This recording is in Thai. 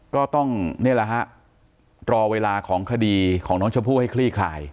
ก็ต้องนี่แหละฮะรอเวลาของคดีของน้องชมพู่ให้คลี่คลาย